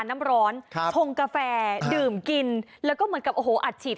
น้ำร้อนครับชงกาแฟดื่มกินแล้วก็เหมือนกับโอ้โหอัดฉีด